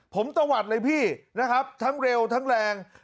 ผมตะวัดเลยพี่นะครับทั้งเร็วทั้งแรง